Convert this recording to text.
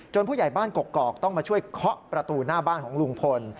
ผู้ใหญ่บ้านกกอกต้องมาช่วยเคาะประตูหน้าบ้านของลุงพล